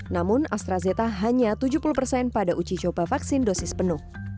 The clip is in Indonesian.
namun astrazeeta hanya tujuh puluh persen pada uji coba vaksin dosis penuh